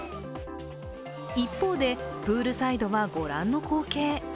一方でプールサイドはご覧の光景。